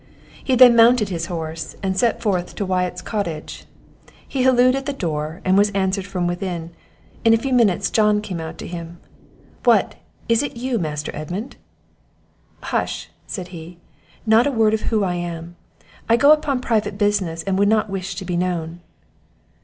He then mounted his horse, and set forward to Wyatt's cottage; he hallooed at the door, and was answered from within. In a few minutes John came out to him. "What, is it you, Master Edmund?" "Hush!" said he; "not a word of who I am; I go upon private business, and would not wish to be known."